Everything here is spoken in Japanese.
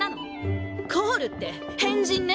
コールって変人ね。